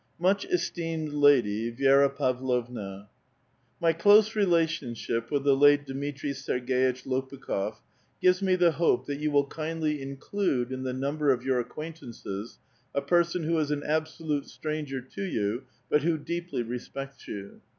Much Esteemed Lady, Vikua Pavlovna, — My close relationship with tlie late Dmitri Serg^itch Lopukhof gives me the hope that you will kindly include in the numl>er of your acquaintances a person who is an abso lute stranger to you, but who deeply respects you.